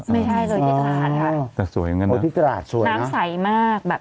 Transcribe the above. ไม่ใช่เลยที่ตราดค่ะ